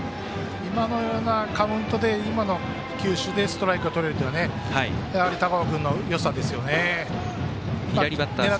今のようなカウントで今の球種でストライクがとれるというのはやはり高尾君のよさですよね。